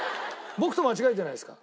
僕と間違えてないですか？